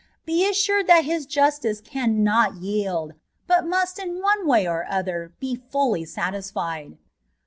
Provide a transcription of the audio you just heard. Be assured that His justice cannot yield, but must in one way or other be fully satisfied.